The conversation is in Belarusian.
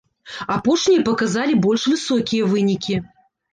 Апошнія паказалі больш высокія вынікі.